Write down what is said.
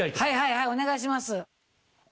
はいお願いします。